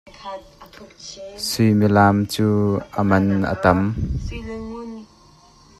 Suimilam cu a man a tam.